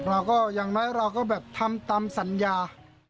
อย่างน้อยเราก็แบบทำตามสัญญา